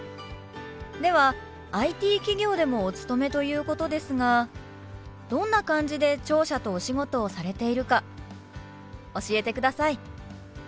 ではＩＴ企業でもお勤めということですがどんな感じで聴者とお仕事をされているか教えてください。